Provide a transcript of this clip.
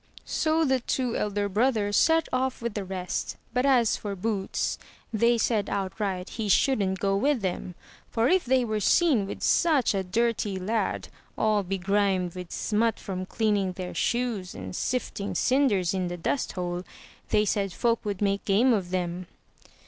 So the two elder brothers set off with the rest; but as for Boots, they said outright he shouldn't go with them, for if they were seen with such a dirty lad, all begrimed with smut from cleaning their shoes and sifting cinders in the dusthole, they said folk would make game of them.